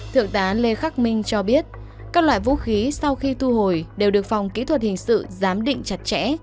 thượng tá lê khắc minh cho biết các loại vũ khí sau khi thu hồi đều được phòng kỹ thuật hình sự giám định chặt chẽ